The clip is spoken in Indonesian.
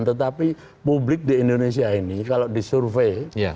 tetapi publik di indonesia ini kalau disurvey